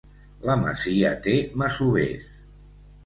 La masia té masovers.